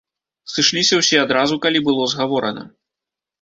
Сышліся ўсе адразу, калі было згаворана.